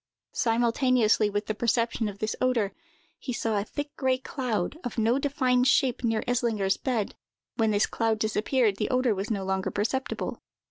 Simultaneously with the perception of this odor, he saw a thick, gray cloud, of no defined shape, near Eslinger's bed. When this cloud disappeared, the odor was no longer perceptible.